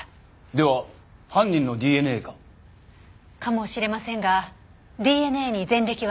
では犯人のＤＮＡか？かもしれませんがＤＮＡに前歴はありませんでした。